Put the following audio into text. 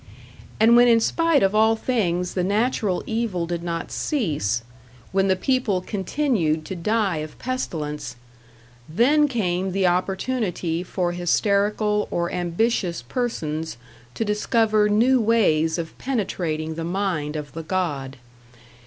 And when in spite of all things the natural evil did not cease, when the people continued to die of pestilence, then came the opportunity for hysterical or ambitious persons to discover new ways of penetrating the mind of the god.